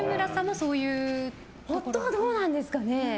夫はどうなんですかね。